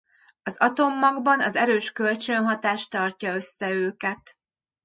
Az atommagban az erős kölcsönhatás tartja össze őket.